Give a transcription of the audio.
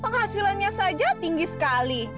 hasilannya saja tinggi sekali